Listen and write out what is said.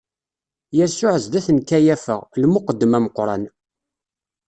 Yasuɛ zdat n Kayafa, lmuqeddem ameqqran.